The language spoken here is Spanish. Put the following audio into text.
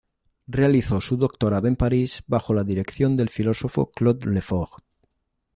Realizó su doctorado en París bajo la dirección del filósofo Claude Lefort.